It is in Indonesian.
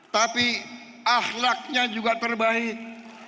tapi ahlaknya juga terbaik